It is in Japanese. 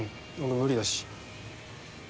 俺無理だし。